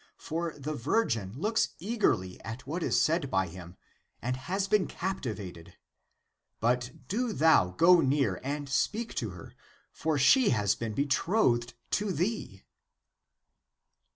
For the virgin looks eagerly at what is said by him, and has been captivated. But do thou go near and speak to her, for she has been betrothed to thee."